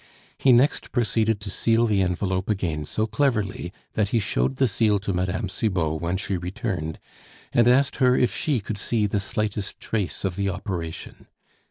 He next proceeded to seal the envelope again so cleverly that he showed the seal to Mme. Cibot when she returned, and asked her if she could see the slightest trace of the operation.